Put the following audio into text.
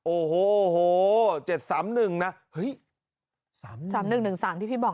โอ้โห๗๓๑นะเฮ้ย๓๓๑๑๓ที่พี่บอก